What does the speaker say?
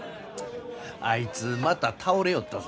あいつまた倒れよったぞ。